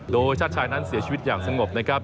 โดยชาติชายนั้นเสียชีวิตอย่างสงบนะครับ